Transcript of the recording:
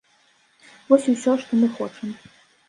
Вось і ўсё, што мы хочам.